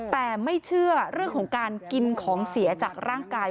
แต่ไม่เชื่อเรื่องของการกินของเสียจากร่างกาย